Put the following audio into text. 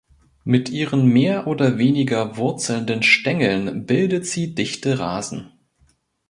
Mit ihren mehr oder weniger wurzelnden Stängeln bildet sie dichte Rasen.